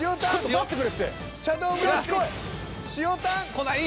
こない？